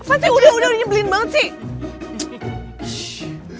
aci udah udah nyebelin banget sih